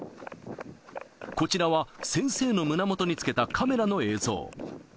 こちらは先生の胸元につけたカメラの映像。